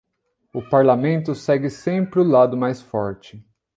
O parlamento segue sempre o lado mais forte.